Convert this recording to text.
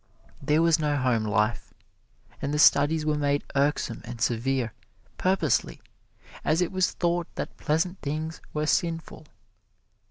There was no home life, and the studies were made irksome and severe, purposely, as it was thought that pleasant things were sinful.